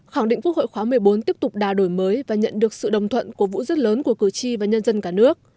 khẳng định quốc hội khóa một mươi bốn tiếp tục đà đổi mới và nhận được sự đồng thuận cổ vũ rất lớn của cử tri và nhân dân cả nước